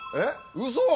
うそ！